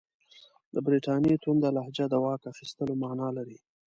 د برټانیې تونده لهجه د واک اخیستلو معنی لري.